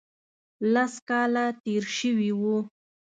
لس کاله تېر شوي وو.